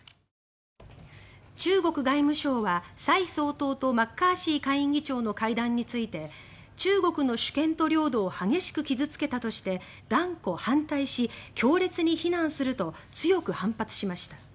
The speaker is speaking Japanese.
中国外務省は蔡総統とマッカーシー下院議長の会談について中国の主権と領土を激しく傷付けたとして断固反対し、強烈に非難すると強く反発しました。